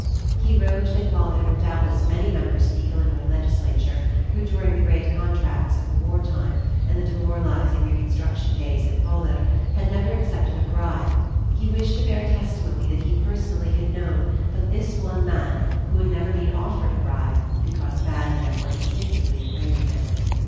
He wrote that while there were doubtless many members of the Illinois legislature who during the great contracts of the war time and the demoralizing reconstruction days that followed, had never accepted a bribe, he wished to bear testimony that he personally had known but this one man who had never been offered a bribe because bad men were instinctively afraid of him.